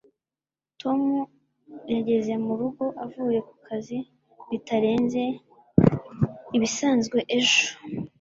tom yageze murugo avuye kukazi bitarenze ibisanzwe ejo